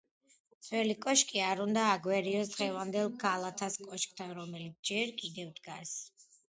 ძველი კოშკი არ უნდა აგვერიოს დღევანდელ გალათას კოშკთან, რომელიც ჯერ კიდევ დგას.